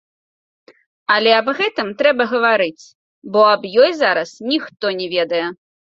Але аб гэтым трэба гаварыць, бо аб ёй зараз ніхто не ведае.